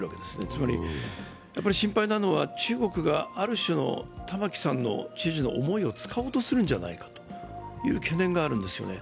つまり心配なのは中国がある種の玉城知事の思いを使おうとするんじゃないかという懸念があるんですよね。